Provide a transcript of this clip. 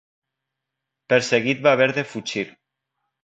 Perseguit va haver de fugir.